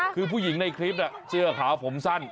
คือผู้หญิงในคลิปเสื้อขาวผมสั้น